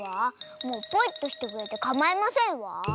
もうポイっとしてくれてかまいませんわ。